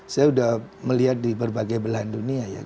saya sudah melihat di berbagai belahan dunia ya